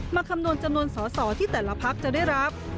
คำนวณจำนวนสอสอที่แต่ละพักจะได้รับ